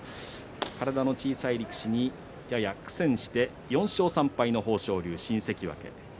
体の小さい力士にやや苦戦していた４勝３敗の豊昇龍新関脇。